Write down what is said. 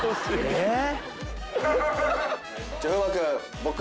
えっ？